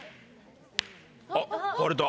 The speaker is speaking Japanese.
あっ割れた。